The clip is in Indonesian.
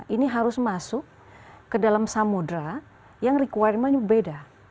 ini harus masuk ke dalam samudera yang requirementnya beda